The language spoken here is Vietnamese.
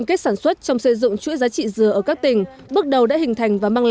chiếm hơn chín mươi diện tích dừa của toàn vùng